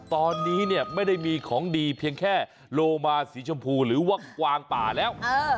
ตอนนี้เนี่ยไม่ได้มีของดีเพียงแค่โลมาสีชมพูหรือว่ากวางป่าแล้ว